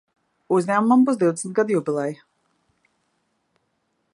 Uzņēmumam būs divdesmit gadu jubileja.